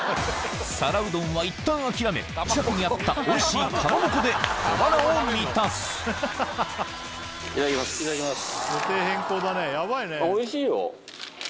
皿うどんはいったん諦め近くにあったおいしいかまぼこで小腹を満たすいただきます。